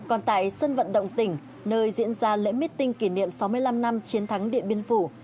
ở sân vận động tỉnh nơi diễn ra lễ mít tinh kỷ niệm sáu mươi năm năm chiến thắng điện biên phủ